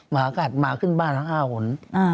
หมากัดหมาขึ้นบ้านทั้ง๕คน